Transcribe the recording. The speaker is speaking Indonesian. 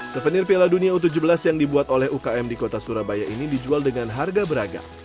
souvenir piala dunia u tujuh belas yang dibuat oleh ukm di kota surabaya ini dijual dengan harga beragam